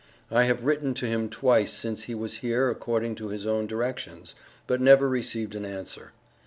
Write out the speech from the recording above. I have written to him twice since he was here according to his own directions, but never received an answer.